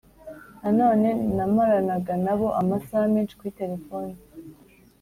Nanone namaranaga na bo amasaha menshi kuri telefoni